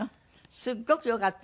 すっごくよかったの。